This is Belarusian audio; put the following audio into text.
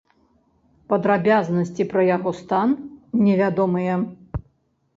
Падрабязнасці пра яго стан не вядомыя.